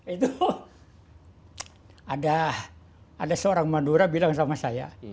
itu ada seorang madura bilang sama saya